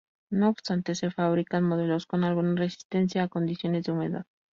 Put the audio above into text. No obstante se fabrican modelos con alguna resistencia a condiciones de humedad.